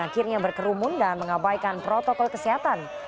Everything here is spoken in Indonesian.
akhirnya berkerumun dan mengabaikan protokol kesehatan